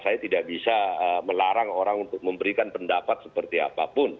saya tidak bisa melarang orang untuk memberikan pendapat seperti apapun